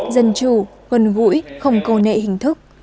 dân chủ quân vũi không cầu nệ hình thức